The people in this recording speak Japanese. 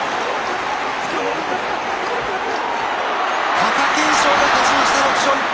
貴景勝が勝ちました、６勝１敗。